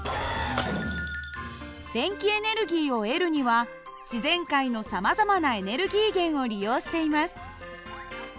電気エネルギーを得るには自然界のさまざまなエネルギー源を利用しています。